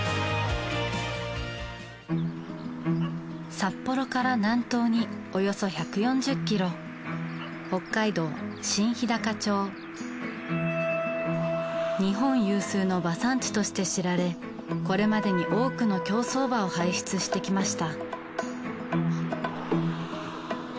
札幌から南東におよそ１４０ｋｍ日本有数の馬産地として知られこれまでに多くの競走馬を輩出してきました。